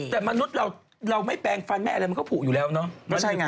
แต่มนุษย์เราไม่แปลงฟันแหละก็ผูอยู่แล้วนะ